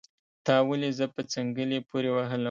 تا ولې زه په څنګلي پوري وهلم